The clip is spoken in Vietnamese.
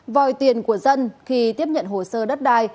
vòi tiền của dân khi tiếp nhận hồ sơ đất đai